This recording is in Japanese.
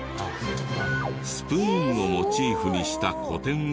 スプーンをモチーフにした個展を開催。